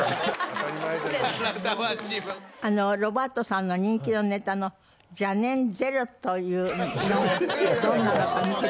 ロバートさんの人気のネタの「邪念ゼロ」というのがどんなのか見せて頂ける。